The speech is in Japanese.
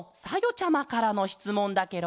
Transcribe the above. ちゃまからのしつもんだケロ。